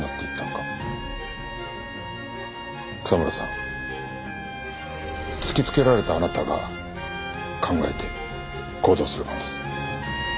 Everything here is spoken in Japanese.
草村さん突きつけられたあなたが考えて行動する番です。